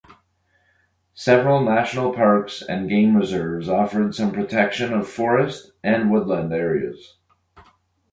Several national parks and game reserves offered some protection of forest and woodland areas.